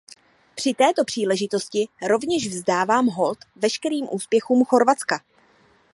Při této příležitosti rovněž vzdávám hold veškerým úspěchům Chorvatska.